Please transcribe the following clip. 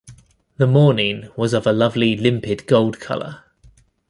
The morning was of a lovely limpid gold colour.